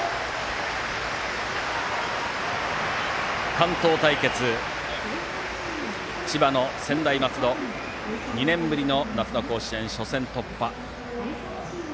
関東対決、千葉の専大松戸２年ぶりの夏の甲子園初戦突破。